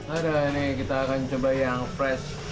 aduh ini kita akan coba yang fresh